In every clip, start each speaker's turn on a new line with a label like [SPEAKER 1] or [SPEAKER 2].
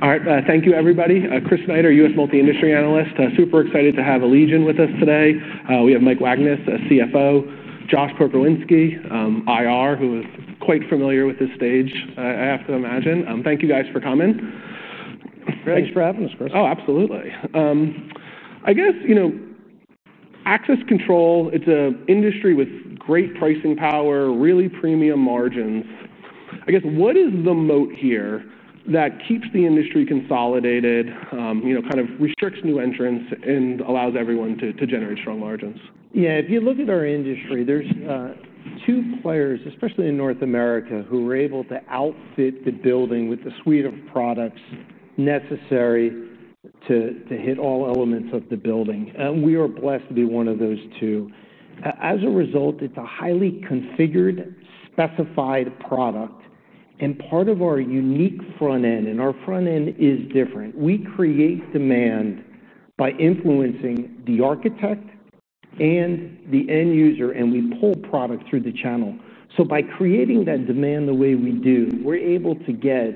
[SPEAKER 1] All right. Thank you, everybody. Chris Knight, our U.S. Multi-Industry Analyst. Super excited to have Allegion with us today. We have Mike Wagnes, CFO, Josh Pokrzywinski, IR, who is quite familiar with this stage, I have to imagine. Thank you guys for coming.
[SPEAKER 2] Thanks for having us, Chris.
[SPEAKER 1] Oh, absolutely. I guess, you know, access control, it's an industry with great pricing power, really premium margins. I guess, what is the moat here that keeps the industry consolidated, you know, kind of restricts new entrants and allows everyone to generate strong margins?
[SPEAKER 2] Yeah, if you look at our industry, there's two players, especially in North America, who are able to outfit the building with the suite of products necessary to hit all elements of the building. We are blessed to be one of those two. As a result, it's a highly configured, specified product. Part of our unique front end, and our front end is different, we create demand by influencing the architect and the end user, and we pull product through the channel. By creating that demand the way we do, we're able to get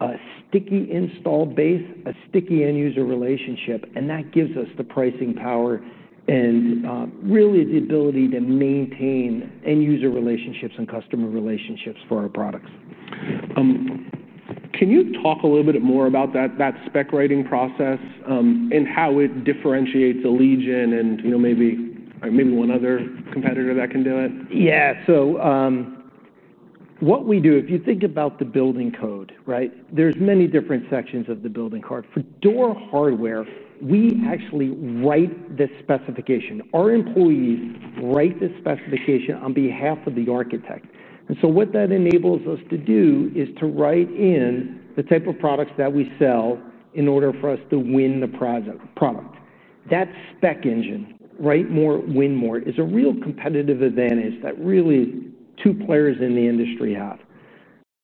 [SPEAKER 2] a sticky installed base, a sticky end user relationship, and that gives us the pricing power and really the ability to maintain end user relationships and customer relationships for our products.
[SPEAKER 1] Can you talk a little bit more about that specification-writing process and how it differentiates Allegion and, you know, maybe one other competitor that can do it?
[SPEAKER 2] Yeah, so what we do, if you think about the building code, right, there's many different sections of the building code. For door hardware, we actually write this specification. Our employees write this specification on behalf of the architect. What that enables us to do is to write in the type of products that we sell in order for us to win the product. That spec engine, write more, win more, is a real competitive advantage that really two players in the industry have.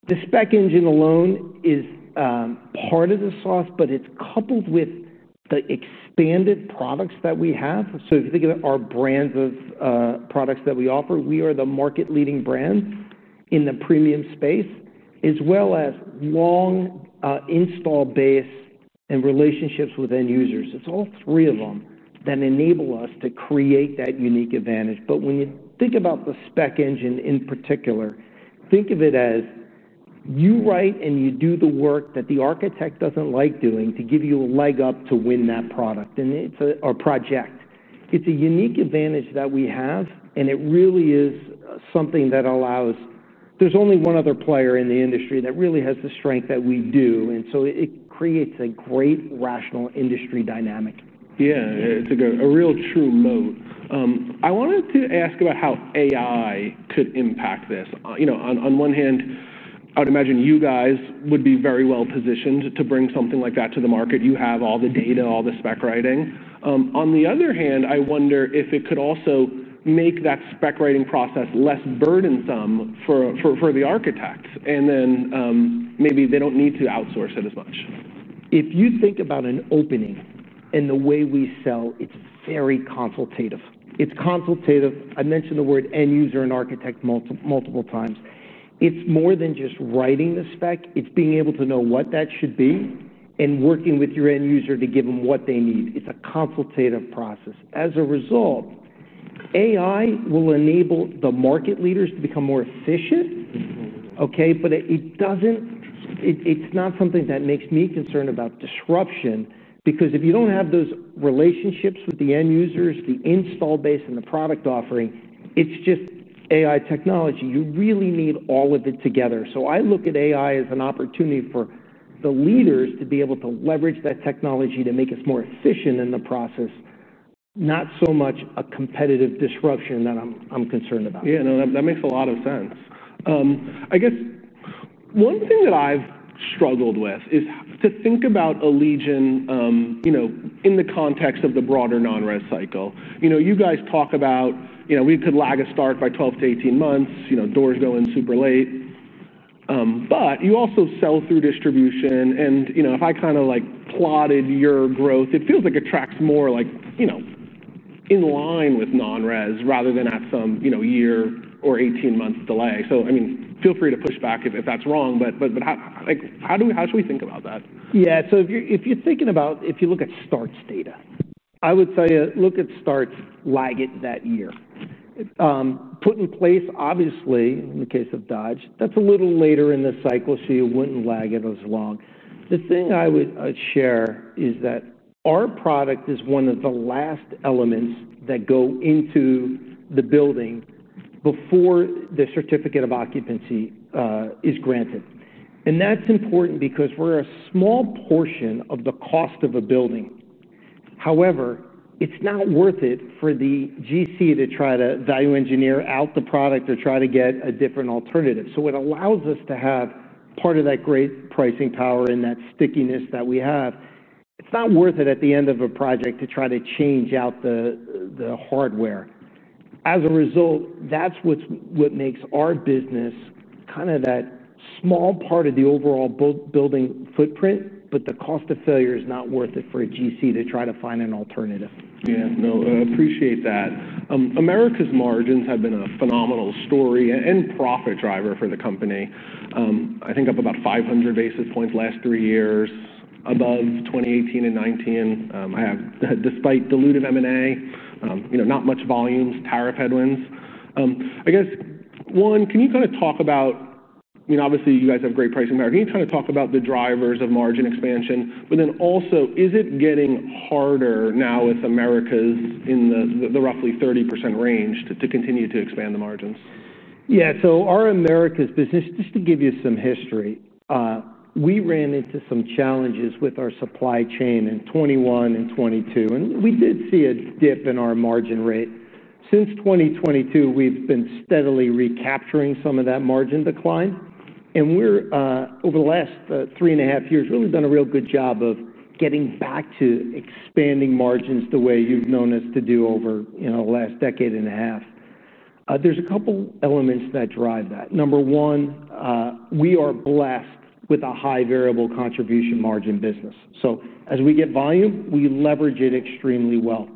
[SPEAKER 2] The spec engine alone is part of the sauce, but it's coupled with the expanded products that we have. If you think of our brands of products that we offer, we are the market leading brand in the premium space, as well as long install base and relationships with end users. It's all three of them that enable us to create that unique advantage. When you think about the spec engine in particular, think of it as you write and you do the work that the architect doesn't like doing to give you a leg up to win that product or project. It's a unique advantage that we have, and it really is something that allows, there's only one other player in the industry that really has the strength that we do. It creates a great rational industry dynamic.
[SPEAKER 1] Yeah, it's a real true moat. I wanted to ask about how AI could impact this. You know, on one hand, I would imagine you guys would be very well positioned to bring something like that to the market. You have all the data, all the spec writing. On the other hand, I wonder if it could also make that specification-writing process less burdensome for the architects, and then maybe they don't need to outsource it as much.
[SPEAKER 2] If you think about an opening and the way we sell, it's very consultative. It's consultative. I mentioned the word end user and architect multiple times. It's more than just writing the spec. It's being able to know what that should be and working with your end user to give them what they need. It's a consultative process. As a result, AI will enable the market leaders to become more efficient. It doesn't, it's not something that makes me concerned about disruption because if you don't have those relationships with the end users, the installed base, and the product offering, it's just AI technology. You really need all of it together. I look at AI as an opportunity for the leaders to be able to leverage that technology to make us more efficient in the process, not so much a competitive disruption that I'm concerned about.
[SPEAKER 1] Yeah, no, that makes a lot of sense. I guess one thing that I've struggled with is to think about Allegion, you know, in the context of the broader non-res cycle. You guys talk about, you know, we could lag a start by 12 months-18 months, you know, doors go in super late. You also sell through distribution. If I kind of like plotted your growth, it feels like it tracks more like, you know, in line with non-res rather than at some, you know, year or 18 months delay. I mean, feel free to push back if that's wrong. How do we, how should we think about that?
[SPEAKER 2] If you look at starts data, I would say look at starts, lag it that year. Put in place, obviously, in the case of Dodge, that's a little later in the cycle. You wouldn't lag it as long. The thing I would share is that our product is one of the last elements that go into the building before the certificate of occupancy is granted. That's important because we're a small portion of the cost of a building. However, it's not worth it for the GC to try to value engineer out the product or try to get a different alternative. It allows us to have part of that great pricing power and that stickiness that we have. It's not worth it at the end of a project to try to change out the hardware. As a result, that's what makes our business kind of that small part of the overall building footprint, but the cost of failure is not worth it for a GC to try to find an alternative.
[SPEAKER 1] Yeah, no, I appreciate that. America's margins have been a phenomenal story and profit driver for the company. I think up about 500 basis points last three years, above 2018 and 2019. I have, despite dilutive M&A, you know, not much volumes, tariff headwinds. I guess, one, can you kind of talk about, you know, obviously you guys have great pricing power. Can you kind of talk about the drivers of margin expansion? Also, is it getting harder now with America's in the roughly 30% range to continue to expand the margins?
[SPEAKER 2] Yeah, so our Americas business, just to give you some history, we ran into some challenges with our supply chain in 2021 and 2022, and we did see a dip in our margin rate. Since 2022, we've been steadily recapturing some of that margin decline. Over the last three and a half years, we've really done a real good job of getting back to expanding margins the way you've known us to do over the last decade and a half. There are a couple elements that drive that. Number one, we are blessed with a high variable contribution margin business. As we get volume, we leverage it extremely well.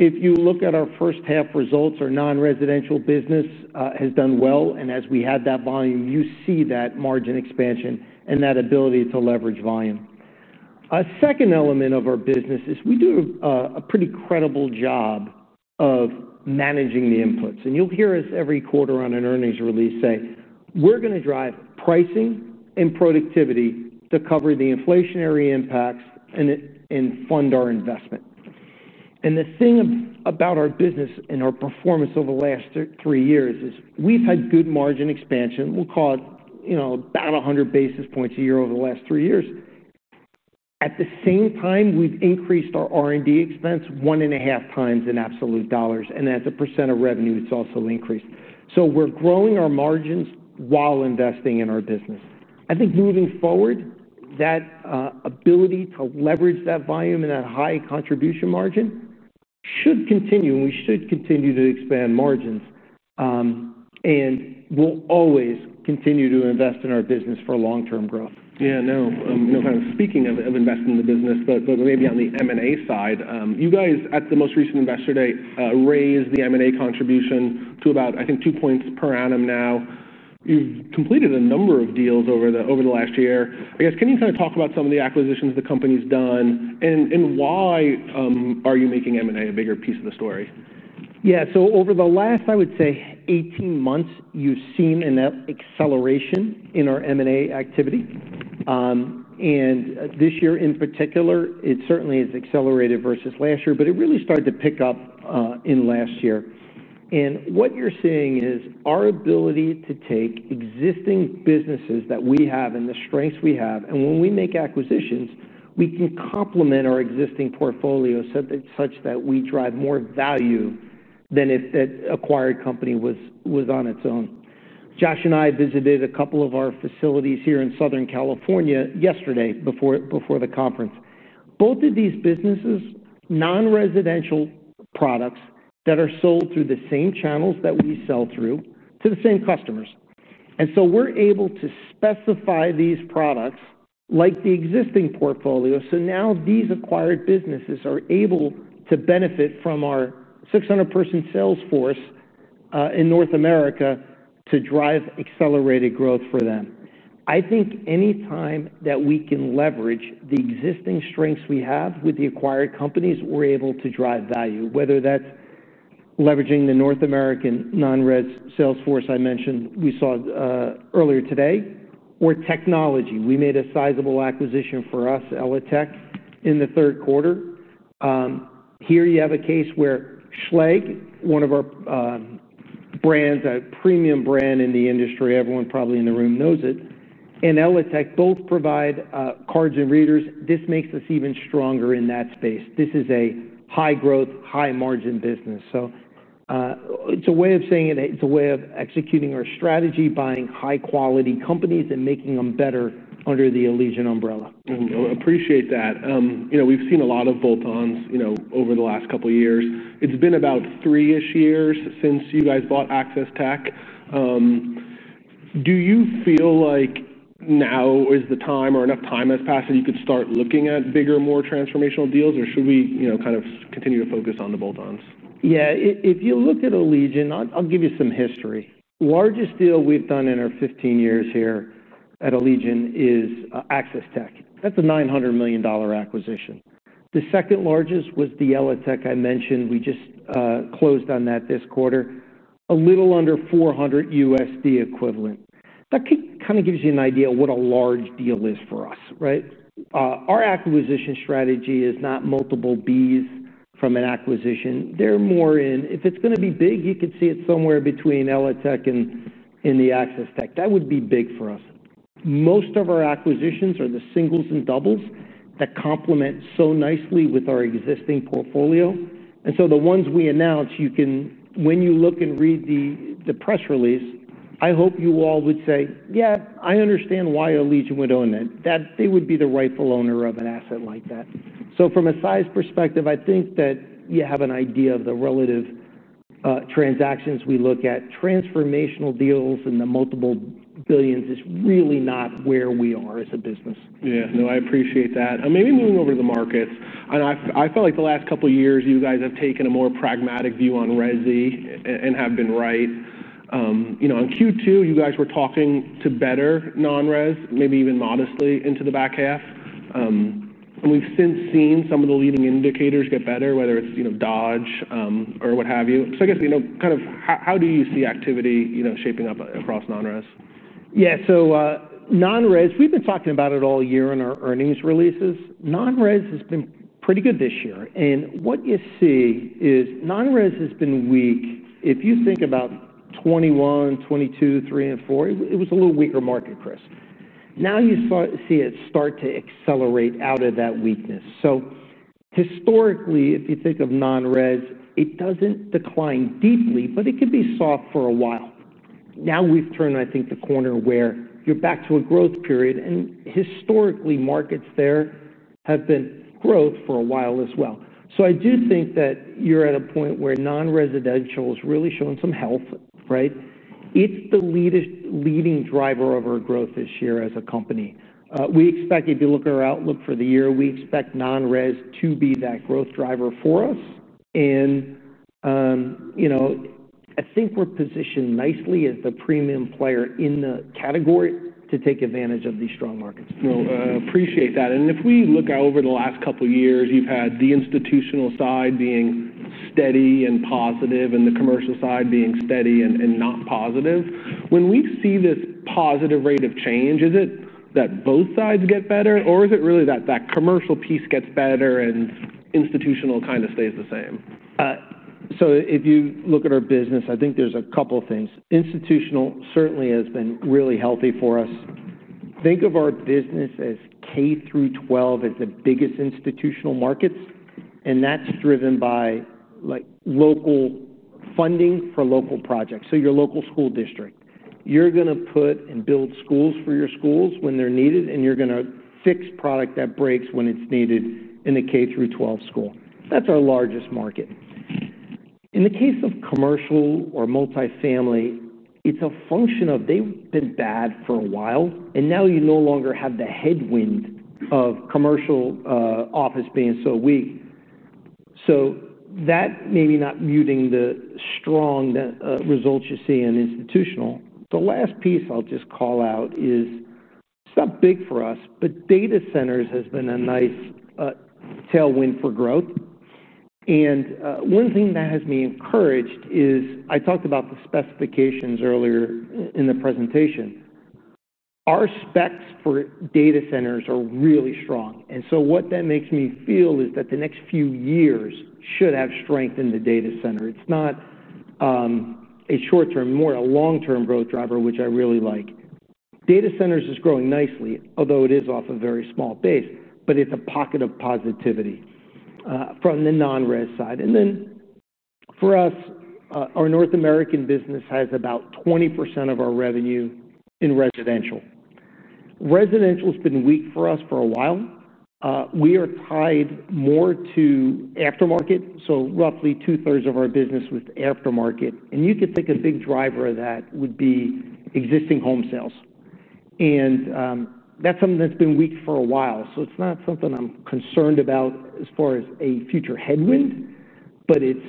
[SPEAKER 2] If you look at our first half results, our non-residential business has done well, and as we have that volume, you see that margin expansion and that ability to leverage volume. A second element of our business is we do a pretty credible job of managing the inputs. You'll hear us every quarter on an earnings release say we're going to drive pricing and productivity to cover the inflationary impacts and fund our investment. The thing about our business and our performance over the last three years is we've had good margin expansion. We'll call it about 100 basis points a year over the last three years. At the same time, we've increased our R&D expense 1.2X in absolute dollars, and as a percent of revenue that's also increased. We're growing our margins while investing in our business. I think moving forward, that ability to leverage that volume and that high contribution margin should continue, and we should continue to expand margins. We'll always continue to invest in our business for long-term growth.
[SPEAKER 1] Yeah, kind of speaking of investing in the business, maybe on the M&A side, you guys at the most recent investor day raised the M&A contribution to about, I think, two points per annum now. You've completed a number of deals over the last year. I guess, can you kind of talk about some of the acquisitions the company's done and why are you making M&A a bigger piece of the story?
[SPEAKER 2] Yeah, over the last, I would say, 18 months, you've seen an acceleration in our M&A activity. This year in particular, it certainly has accelerated versus last year, but it really started to pick up in last year. What you're seeing is our ability to take existing businesses that we have and the strengths we have, and when we make acquisitions, we can complement our existing portfolios such that we drive more value than if that acquired company was on its own. Josh and I visited a couple of our facilities here in Southern California yesterday before the conference. Both of these businesses, non-residential products that are sold through the same channels that we sell through to the same customers. We're able to specify these products like the existing portfolio. Now these acquired businesses are able to benefit from our 600-person sales force in North America to drive accelerated growth for them. I think any time that we can leverage the existing strengths we have with the acquired companies, we're able to drive value, whether that's leveraging the North American non-res sales force I mentioned we saw earlier today, or technology. We made a sizable acquisition for us, ELATEC, in the third quarter. Here you have a case where Schlage is one of our brands, a premium brand in the industry. Everyone probably in the room knows it. ELATEC both provide cards and readers. This makes us even stronger in that space. This is a high growth, high margin business. It's a way of saying it. It's a way of executing our strategy, buying high quality companies and making them better under the Allegion umbrella.
[SPEAKER 1] Appreciate that. We've seen a lot of bolt-ons over the last couple of years. It's been about three years since you guys bought Access Tech. Do you feel like now is the time or enough time has passed that you could start looking at bigger, more transformational deals, or should we continue to focus on the bolt-ons?
[SPEAKER 2] Yeah, if you looked at Allegion, I'll give you some history. The largest deal we've done in our 15 years here at Allegion is Access Tech. That's a $900 million acquisition. The second largest was the ELATEC I mentioned. We just closed on that this quarter, a little under 400 million USD equivalent. That kind of gives you an idea of what a large deal is for us, right? Our acquisition strategy is not multiple billions from an acquisition. They're more in, if it's going to be big, you could see it somewhere between ELATEC and the Access Tech. That would be big for us. Most of our acquisitions are the singles and doubles that complement so nicely with our existing portfolio. The ones we announce, you can, when you look and read the press release, I hope you all would say, yeah, I understand why Allegion would own it, that they would be the rightful owner of an asset like that. From a size perspective, I think that you have an idea of the relative transactions we look at. Transformational deals in the multiple billions is really not where we are as a business.
[SPEAKER 1] Yeah, no, I appreciate that. Maybe moving over to the markets, I know I felt like the last couple of years you guys have taken a more pragmatic view on resi and have been right. On Q2, you guys were talking to better non-res, maybe even modestly into the back half. We've since seen some of the leading indicators get better, whether it's Dodge or what have you. I guess, how do you see activity shaping up across non-res?
[SPEAKER 2] Yeah, so non-res, we've been talking about it all year in our earnings releases. Non-res has been pretty good this year. What you see is non-res has been weak. If you think about 2021, 2022, 2023, and 2024, it was a little weaker market, Chris. Now you see it start to accelerate out of that weakness. Historically, if you think of non-res, it doesn't decline deeply, but it could be soft for a while. Now we've turned, I think, the corner where you're back to a growth period. Historically, markets there have been growth for a while as well. I do think that you're at a point where non-residential is really showing some health, right? It's the leading driver of our growth this year as a company. We expect, if you look at our outlook for the year, we expect non-res to be that growth driver for us. I think we're positioned nicely as the premium player in the category to take advantage of these strong markets.
[SPEAKER 1] I appreciate that. If we look over the last couple of years, you've had the institutional side being steady and positive, and the commercial side being steady and not positive. When we see this positive rate of change, is it that both sides get better, or is it really that the commercial piece gets better and institutional kind of stays the same?
[SPEAKER 2] If you look at our business, I think there's a couple of things. Institutional certainly has been really healthy for us. Think of our business as K-12 education as the biggest institutional markets. That's driven by local funding for local projects. Your local school district is going to put and build schools for your schools when they're needed, and you're going to fix product that breaks when it's needed in the K-12 education school. That's our largest market. In the case of commercial or multifamily, it's a function of they've been bad for a while. You no longer have the headwind of commercial office being so weak, so that may be not muting the strong results you see in institutional. The last piece I'll just call out is it's not big for us, but data center has been a nice tailwind for growth. One thing that has me encouraged is I talked about the specification-writing process earlier in the presentation. Our specs for data center are really strong, so what that makes me feel is that the next few years should have strength in the data center. It's not a short-term, more a long-term growth driver, which I really like. Data center is growing nicely, although it is off a very small base, but it's a pocket of positivity from the non-residential markets side. For us, our North America business has about 20% of our revenue in residential. Residential has been weak for us for a while. We are tied more to aftermarket, so roughly 2/3 of our business was aftermarket. You could think a big driver of that would be existing home sales, and that's something that's been weak for a while. It's not something I'm concerned about as far as a future headwind, but it's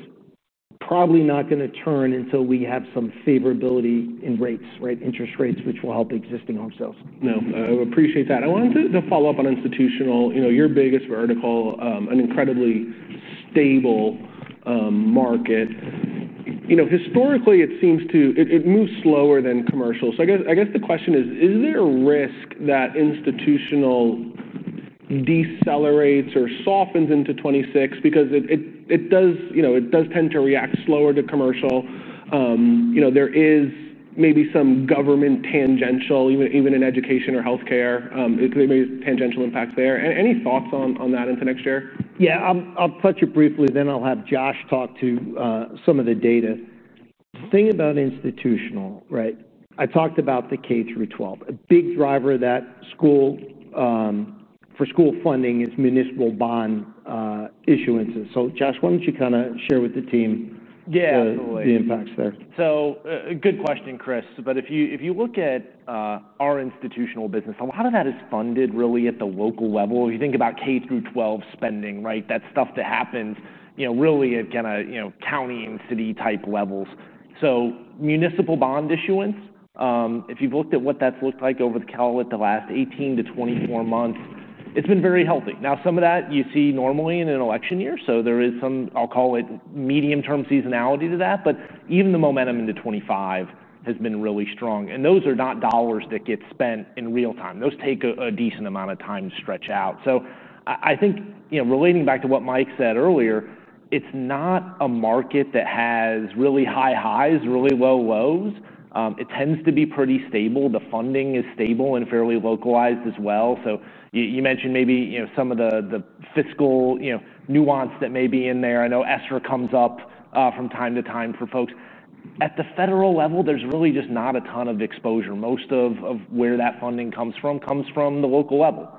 [SPEAKER 2] probably not going to turn until we have some favorability in rates, right? Interest rates, which will help existing home sales.
[SPEAKER 1] No, I appreciate that. I wanted to follow up on institutional, you know, your biggest vertical, an incredibly stable market. Historically, it seems to move slower than commercial. I guess the question is, is there a risk that institutional decelerates or softens into 2026? Because it does tend to react slower to commercial. There is maybe some government tangential, even in education or healthcare, there may be a tangential impact there. Any thoughts on that into next year?
[SPEAKER 2] Yeah, I'll touch it briefly. I'll have Josh talk to some of the data. The thing about institutional, right? I talked about the K-12. A big driver of that school funding is municipal bond issuances. Josh, why don't you kind of share with the team?
[SPEAKER 3] Yeah, absolutely.
[SPEAKER 2] The impacts there.
[SPEAKER 3] Good question, Chris. If you look at our institutional business, a lot of that is funded really at the local level. If you think about K-12 spending, that's stuff that happens really at county and city type levels. Municipal bond issuance, if you've looked at what that's looked like over the last 18 months-24 months, has been very healthy. Some of that you see normally in an election year. There is some, I'll call it medium-term seasonality to that. Even the momentum into 2025 has been really strong. Those are not dollars that get spent in real time. Those take a decent amount of time to stretch out. Relating back to what Mike said earlier, it's not a market that has really high highs, really low lows. It tends to be pretty stable. The funding is stable and fairly localized as well. You mentioned maybe some of the fiscal nuance that may be in there. I know ESSER comes up from time to time for folks. At the federal level, there's really just not a ton of exposure. Most of where that funding comes from comes from the local level.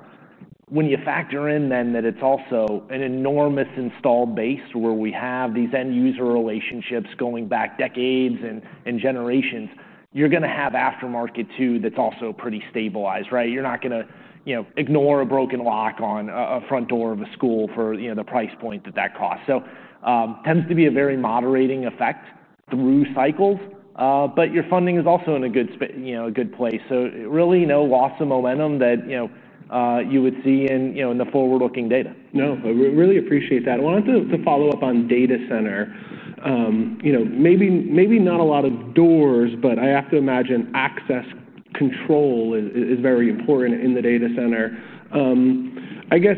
[SPEAKER 3] When you factor in then that it's also an enormous installed base where we have these end user relationships going back decades and generations, you're going to have aftermarket too that's also pretty stabilized. You're not going to ignore a broken lock on a front door of a school for the price point that that costs. It tends to be a very moderating effect through cycles. Your funding is also in a good place. Really no loss of momentum that you would see in the forward-looking data.
[SPEAKER 1] I really appreciate that. I wanted to follow up on data center. Maybe not a lot of doors, but I have to imagine access control is very important in the data center. I guess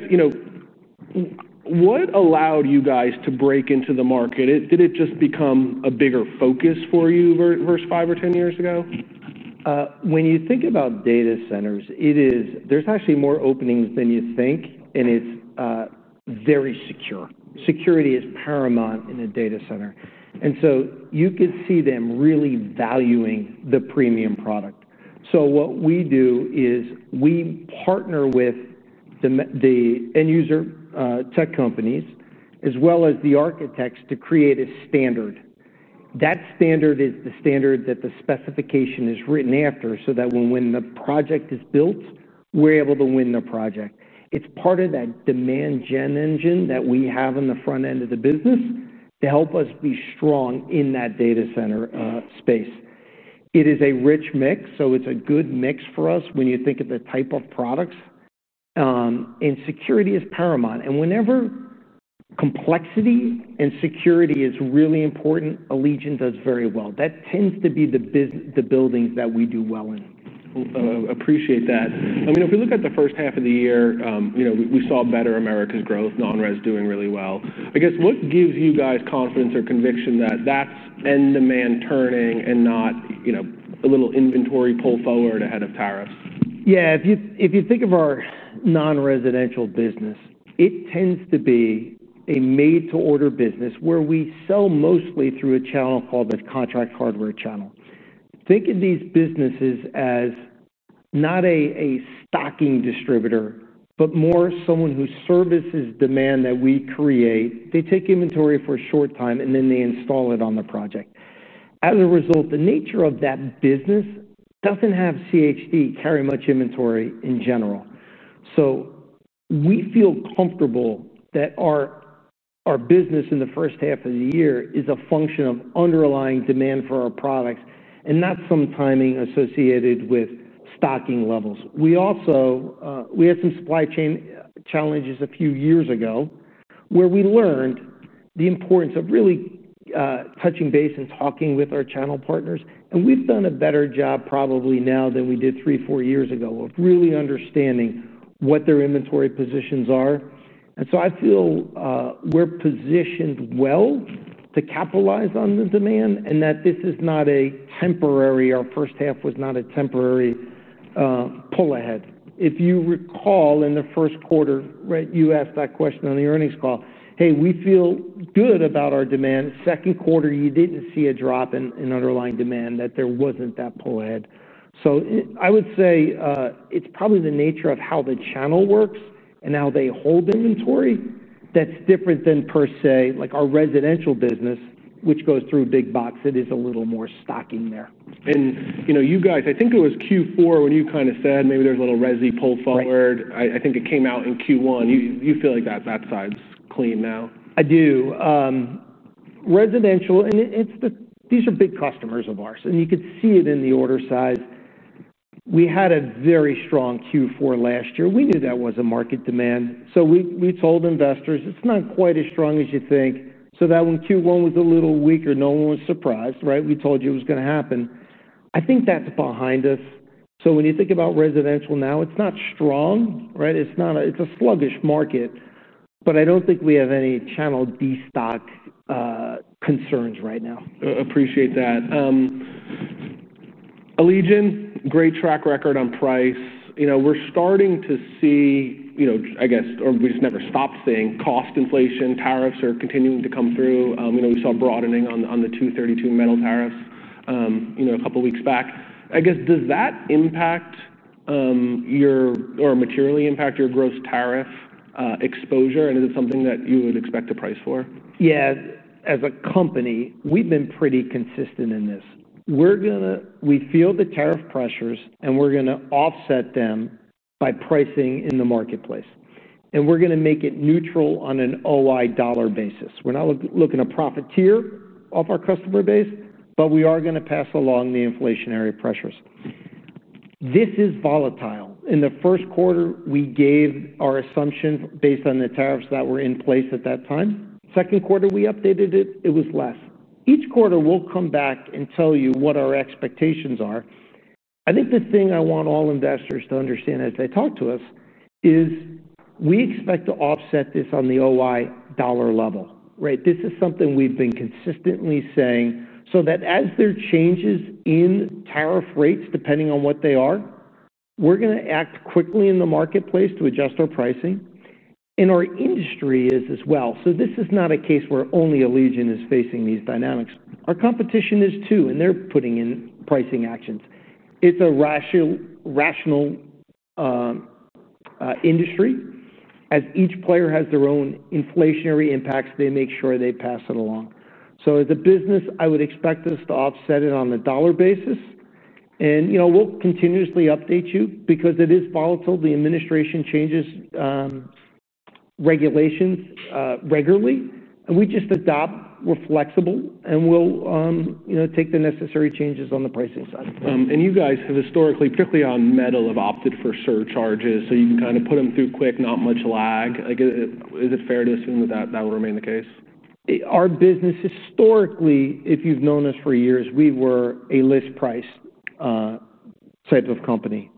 [SPEAKER 1] what allowed you guys to break into the market? Did it just become a bigger focus for you versus five or 10 years ago?
[SPEAKER 2] When you think about data centers, there's actually more openings than you think, and it's very secure. Security is paramount in a data center. You could see them really valuing the premium product. What we do is we partner with the end user tech companies, as well as the architects, to create a standard. That standard is the standard that the specification is written after so that when the project is built, we're able to win the project. It's part of that demand gen engine that we have in the front end of the business to help us be strong in that data center space. It is a rich mix, so it's a good mix for us when you think of the type of products. Security is paramount. Whenever complexity and security is really important, Allegion does very well. That tends to be the buildings that we do well in.
[SPEAKER 1] Appreciate that. If we look at the first half of the year, we saw better Americas growth, non-res doing really well. I guess, what gives you guys confidence or conviction that that's end demand turning and not a little inventory pull forward ahead of tariffs?
[SPEAKER 2] Yeah, if you think of our non-residential business, it tends to be a made-to-order business where we sell mostly through a channel called the contract hardware channel. Think of these businesses as not a stocking distributor, but more someone who services demand that we create. They take inventory for a short time and then they install it on the project. As a result, the nature of that business doesn't have contract hardware distributors carry much inventory in general. We feel comfortable that our business in the first half of the year is a function of underlying demand for our products and not some timing associated with stocking levels. We also had some supply chain challenges a few years ago where we learned the importance of really touching base and talking with our channel partners. We've done a better job probably now than we did three or four years ago of really understanding what their inventory positions are. I feel we're positioned well to capitalize on the demand and that this is not a temporary, our first half was not a temporary pull ahead. If you recall in the first quarter, right, you asked that question on the earnings call, hey, we feel good about our demand. Second quarter, you didn't see a drop in underlying demand that there wasn't that pull ahead. I would say it's probably the nature of how the channel works and how they hold inventory that's different than per se, like our residential business, which goes through big box. It is a little more stocking there.
[SPEAKER 1] You guys, I think it was Q4 when you kind of said maybe there's a little resi pull forward. I think it came out in Q1. You feel like that side's clean now?
[SPEAKER 2] I do. Residential, and these are big customers of ours, and you could see it in the order size. We had a very strong Q4 last year. We knew that was a market demand. We told investors it's not quite as strong as you think, so that when Q1 was a little weaker, no one was surprised, right? We told you it was going to happen. I think that's behind us. When you think about residential now, it's not strong, right? It's not a sluggish market, but I don't think we have any channel destock concerns right now.
[SPEAKER 1] Appreciate that. Allegion, great track record on price. We're starting to see, I guess, or we just never stopped seeing cost inflation. Tariffs are continuing to come through. We saw broadening on the 232 metal tariffs a couple of weeks back. Does that impact your, or materially impact your gross tariff exposure? Is it something that you would expect a price for?
[SPEAKER 2] Yeah, as a company, we've been pretty consistent in this. We're going to, we feel the tariff pressures, and we're going to offset them by pricing in the marketplace. We're going to make it neutral on an OI dollar basis. We're not looking to profiteer off our customer base, but we are going to pass along the inflationary pressures. This is volatile. In the first quarter, we gave our assumption based on the tariffs that were in place at that time. Second quarter, we updated it. It was less. Each quarter, we'll come back and tell you what our expectations are. I think the thing I want all investors to understand as they talk to us is we expect to offset this on the OI dollar level, right? This is something we've been consistently saying so that as there are changes in tariff rates, depending on what they are, we're going to act quickly in the marketplace to adjust our pricing. Our industry is as well. This is not a case where only Allegion is facing these dynamics. Our competition is too, and they're putting in pricing actions. It's a rational industry. Each player has their own inflationary impacts. They make sure they pass it along. As a business, I would expect us to offset it on the dollar basis. We'll continuously update you because it is volatile. The administration changes regulations regularly. We just adapt. We're flexible, and we'll take the necessary changes on the pricing side.
[SPEAKER 1] You guys have historically, particularly on metal, opted for surcharges. You can kind of put them through quick, not much lag. Is it fair to assume that that will remain the case?
[SPEAKER 2] Our business historically, if you've known us for years, we were a list price type of company.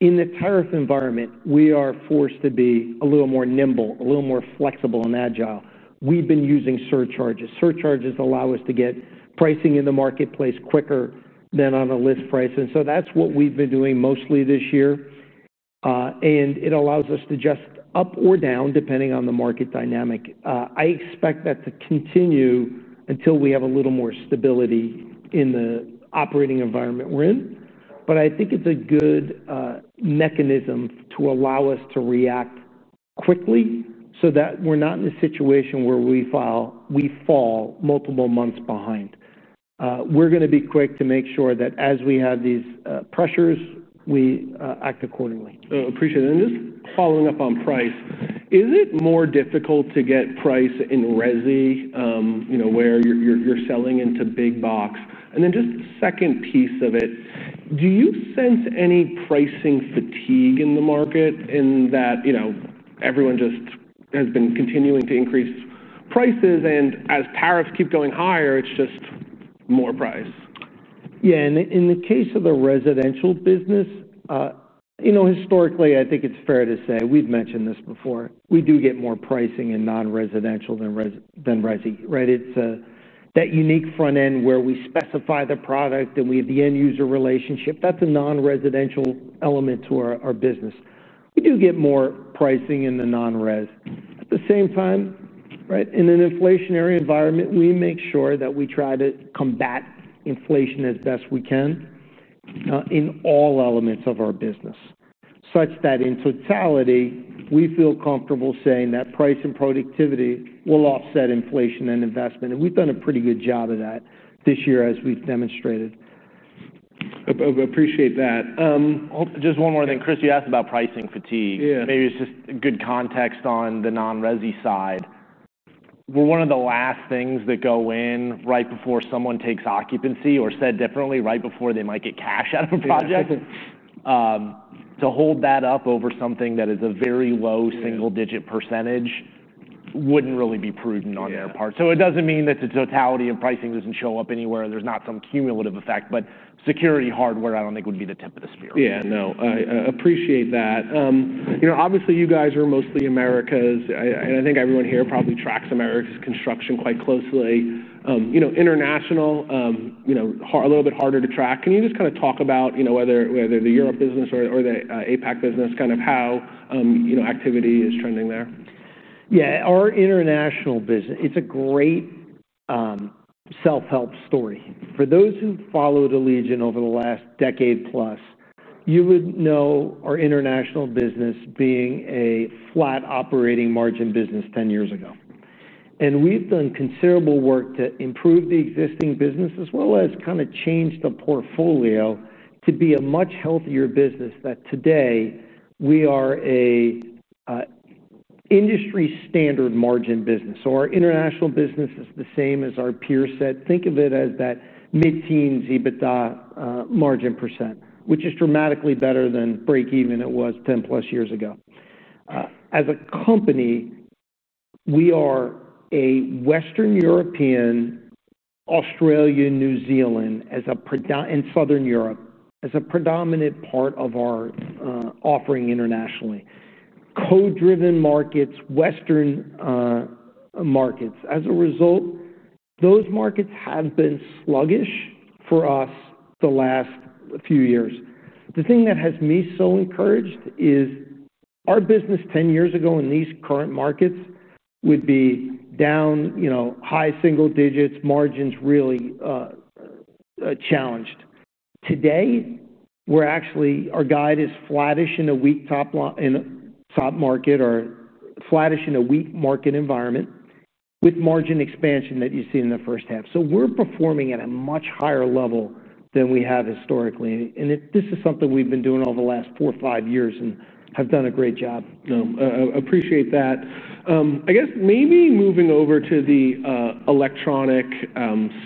[SPEAKER 2] In the tariff environment, we are forced to be a little more nimble, a little more flexible and agile. We've been using surcharges. Surcharges allow us to get pricing in the marketplace quicker than on a list price. That's what we've been doing mostly this year. It allows us to adjust up or down depending on the market dynamic. I expect that to continue until we have a little more stability in the operating environment we're in. I think it's a good mechanism to allow us to react quickly so that we're not in a situation where we fall multiple months behind. We're going to be quick to make sure that as we have these pressures, we act accordingly.
[SPEAKER 1] Appreciate it. Just following up on price, is it more difficult to get price in resi, you know, where you're selling into big box? The second piece of it, do you sense any pricing fatigue in the market in that, you know, everyone just has been continuing to increase prices? As tariffs keep going higher, it's just more price.
[SPEAKER 2] Yeah, and in the case of the residential business, historically, I think it's fair to say, we've mentioned this before, we do get more pricing in non-residential than resi, right? It's that unique front end where we specify the product and we have the end user relationship. That's a non-residential element to our business. We do get more pricing in the non-res. At the same time, in an inflationary environment, we make sure that we try to combat inflation as best we can in all elements of our business, such that in totality, we feel comfortable saying that price and productivity will offset inflation and investment. We've done a pretty good job of that this year, as we've demonstrated.
[SPEAKER 3] Appreciate that. Just one more thing, Chris, you asked about pricing fatigue. Maybe it's just a good context on the non-residential side. One of the last things that go in right before someone takes occupancy, or said differently, right before they might get cash out of a project, to hold that up over something that is a very low single-digit percentage wouldn't really be prudent on their part. It doesn't mean that the totality of pricing doesn't show up anywhere. There's not some cumulative effect, but security hardware, I don't think would be the tip of the spear. Yeah.
[SPEAKER 1] No, I appreciate that. Obviously, you guys are mostly Americas, and I think everyone here probably tracks America's construction quite closely. International, you know, a little bit harder to track. Can you just kind of talk about whether the Europe business or the APAC business, kind of how activity is trending there?
[SPEAKER 2] Yeah, our international business, it's a great self-help story. For those who followed Allegion over the last decade plus, you would know our international business being a flat operating margin business 10 years ago. We've done considerable work to improve the existing business, as well as kind of change the portfolio to be a much healthier business that today we are an industry standard margin business. Our international business is the same as our peer set. Think of it as that mid-teens EBITDA margin percentage, which is dramatically better than breakeven it was 10+ years ago. As a company, we are a Western Europe, Australia, New Zealand, and Southern Europe as a predominant part of our offering internationally. Co-driven markets, Western markets. As a result, those markets have been sluggish for us the last few years. The thing that has me so encouraged is our business 10 years ago in these current markets would be down, high single digits, margins really challenged. Today, our guide is flattish in a weak top market or flattish in a weak market environment with margin expansion that you see in the first half. We're performing at a much higher level than we have historically. This is something we've been doing over the last four or five years and have done a great job.
[SPEAKER 1] No, I appreciate that. I guess maybe moving over to the electronic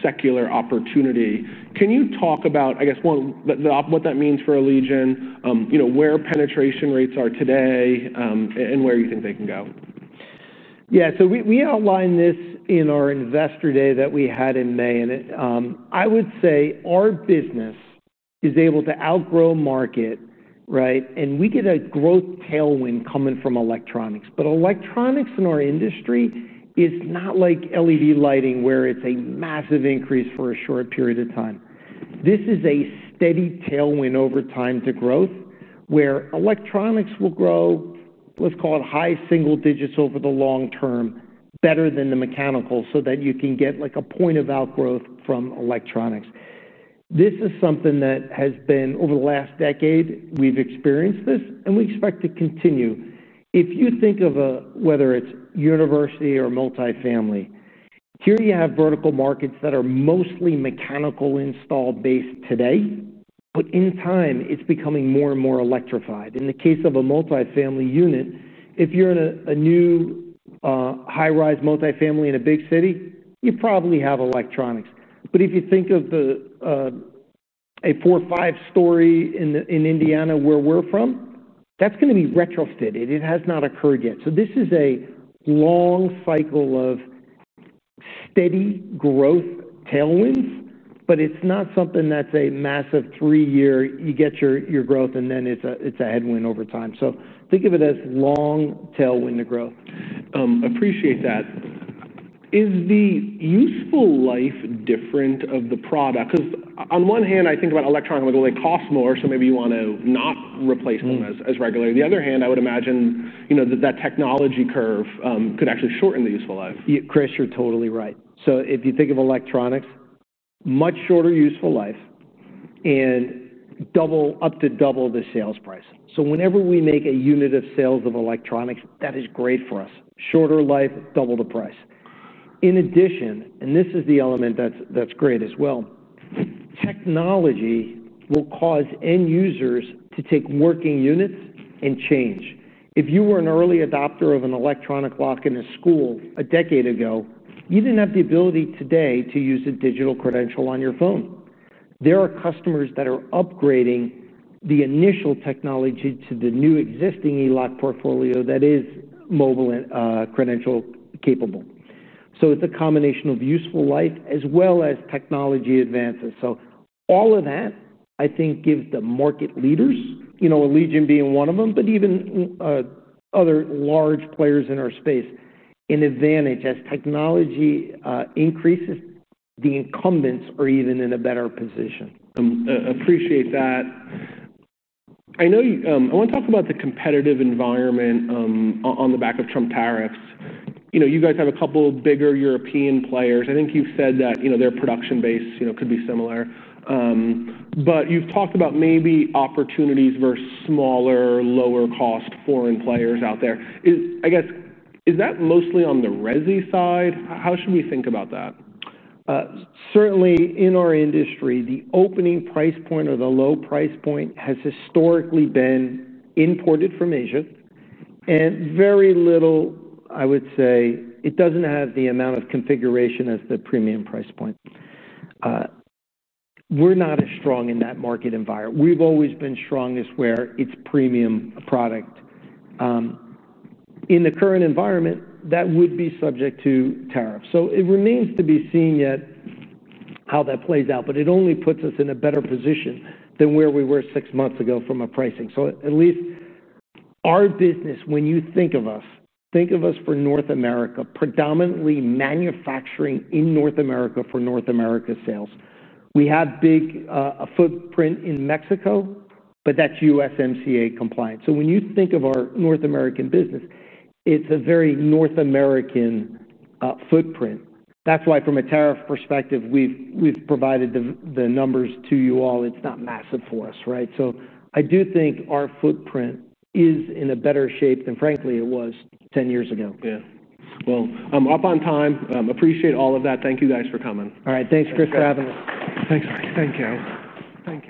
[SPEAKER 1] secular opportunity, can you talk about what that means for Allegion, where penetration rates are today and where you think they can go?
[SPEAKER 2] Yeah, so we outlined this in our investor day that we had in May. I would say our business is able to outgrow market, right? We get a growth tailwind coming from electronics. Electronics in our industry is not like LED lighting where it's a massive increase for a short period of time. This is a steady tailwind over time to growth where electronics will grow, let's call it high single digits over the long term, better than the mechanical so that you can get like a point of outgrowth from electronics. This is something that has been, over the last decade, we've experienced this and we expect to continue. If you think of whether it's university or multifamily, here you have vertical markets that are mostly mechanical installed base today. In time, it's becoming more and more electrified. In the case of a multifamily unit, if you're in a new high-rise multifamily in a big city, you probably have electronics. If you think of a four or five story in Indiana where we're from, that's going to be retrofitted. It has not occurred yet. This is a long cycle of steady growth tailwinds, but it's not something that's a massive three-year you get your growth and then it's a headwind over time. Think of it as long tailwind to grow.
[SPEAKER 1] Appreciate that. Is the useful life different of the product? Because on one hand, I think about electronics, I'm like, they cost more, so maybe you want to not replace them as regularly. On the other hand, I would imagine that technology curve could actually shorten the useful life.
[SPEAKER 2] Chris, you're totally right. If you think of electronics, much shorter useful life and up to double the sales price. Whenever we make a unit of sales of electronics, that is great for us. Shorter life, double the price. In addition, this is the element that's great as well, technology will cause end users to take working units and change. If you were an early adopter of an electronic lock in a school a decade ago, you didn't have the ability today to use a digital credential on your phone. There are customers that are upgrading the initial technology to the new existing e-lock portfolio that is mobile and credential capable. It's a combination of useful life as well as technology advances. All of that, I think, gives the market leaders, you know, Allegion being one of them, but even other large players in our space, an advantage as technology increases. The incumbents are even in a better position.
[SPEAKER 1] Appreciate that. I want to talk about the competitive environment on the back of Trump tariffs. You guys have a couple of bigger European players. I think you've said that their production base could be similar, but you've talked about maybe opportunities versus smaller, lower cost foreign players out there. Is that mostly on the resi side? How should we think about that?
[SPEAKER 2] Certainly, in our industry, the opening price point or the low price point has historically been imported from Asia. Very little, I would say, it doesn't have the amount of configuration as the premium price point. We're not as strong in that market environment. We've always been strongest where it's a premium product. In the current environment, that would be subject to tariffs. It remains to be seen yet how that plays out, but it only puts us in a better position than where we were six months ago from a pricing. At least our business, when you think of us, think of us for North America, predominantly manufacturing in North America for North America sales. We have a big footprint in Mexico, but that's USMCA compliance. When you think of our North American business, it's a very North American footprint. That's why from a tariff perspective, we've provided the numbers to you all. It's not massive for us, right? I do think our footprint is in a better shape than, frankly, it was 10 years ago.
[SPEAKER 1] I'm up on time. Appreciate all of that. Thank you guys for coming.
[SPEAKER 2] All right. Thanks, Chris, for having us.
[SPEAKER 1] Thanks, Mark. Thank you.
[SPEAKER 2] Thank you.